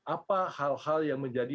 apa hal hal yang menjadi